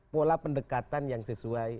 pola pendekatan yang sesuai